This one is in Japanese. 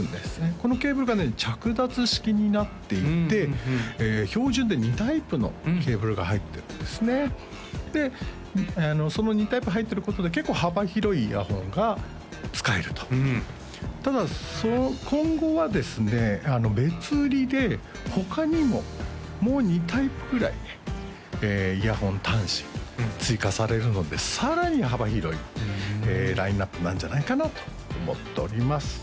このケーブルがね着脱式になっていて標準で２タイプのケーブルが入ってるんですねでその２タイプ入ってることで結構幅広いイヤホンが使えるとただ今後はですね別売りで他にももう２タイプぐらいイヤホン端子を追加されるのでさらに幅広いラインナップなんじゃないかなと思っております